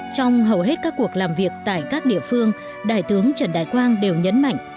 trong hầu hết các cuộc làm việc tại các địa phương đại tướng trần đại quang đều nhấn mạnh